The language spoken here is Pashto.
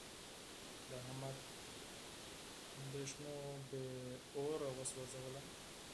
د احمد اندېښنو بې اوره و سوزولم.